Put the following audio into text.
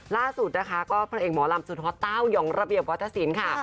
ล่าสุดนะคะก็พระเอกหมอลำสุดฮอตเต้ายองระเบียบวัฒนศิลป์ค่ะ